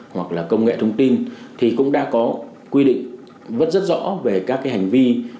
hoặc là công nghệ thông tin thì cũng đã có quy định rất rất rõ về các cái hành vi